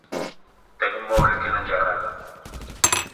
Ten un moble que non lle agrada.